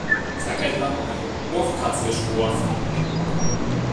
Sag ein mal "Oachkatzlschwoaf"!